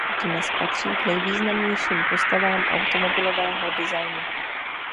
Dnes patří k nejvýznamnějším postavám automobilového designu.